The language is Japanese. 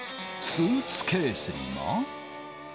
スーツケースにも。